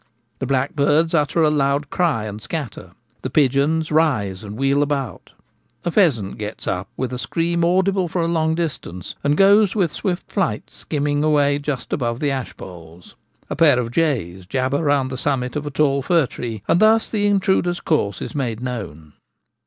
The blackbirds utter a loud cry and scatter ; the pigeons rise and wheel about; a pheasant gets up with a scream audible for a long distance, and goes with swift flight skimming away just above the ash poles ; a pair of jays jabber round the summit of a tall fir tree, and thus the intruder's course is made known.